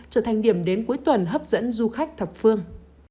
trở thành điểm đến cuối tuần hấp dẫn du khách thập phương